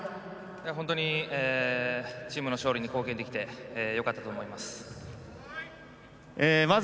本当にチームの勝利に貢献できてよかったと思います。